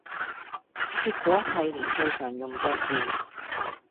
結果係連最常用嘅字